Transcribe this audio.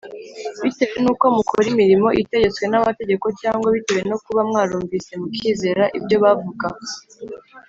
bitewe n uko mukora imirimo itegetswe n amategeko cyangwa bitewe no kuba mwarumvise mukizera ibyo bavuga